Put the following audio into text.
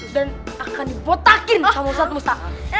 dan akan dibotakin sama ustadz musa